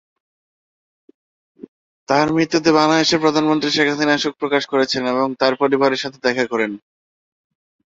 তার মৃত্যুতে বাংলাদেশের প্রধানমন্ত্রী শেখ হাসিনা শোক প্রকাশ করেন এবং তার পরিবারের সাথে দেখা করেন।